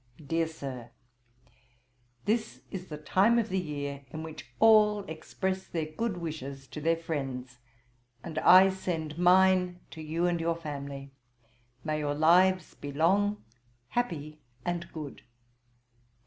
'DEAR SIR, 'This is the time of the year in which all express their good wishes to their friends, and I send mine to you and your family. May your lives be long, happy, and good.